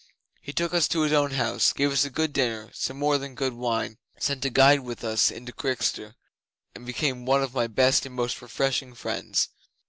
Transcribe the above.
He took us to his own house, gave us a good dinner, some more than good wine, sent a guide with us into Chichester, and became one of my best and most refreshing friends.